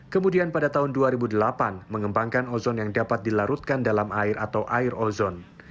kemudian pada tahun dua ribu delapan mengembangkan ozon yang dapat dilarutkan dalam air atau air ozon